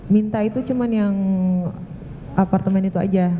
minta itu cuma yang apartemen itu aja